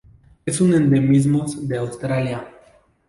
Es un endemismos de Australia.